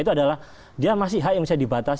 itu adalah dia masih hak yang bisa dibatasi